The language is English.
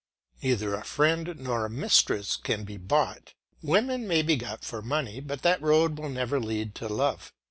Neither a friend nor a mistress can be bought. Women may be got for money, but that road will never lead to love.